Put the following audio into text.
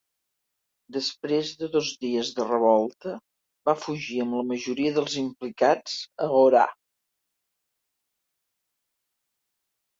Després de dos dies de revolta, va fugir amb la majoria dels implicats a Orà.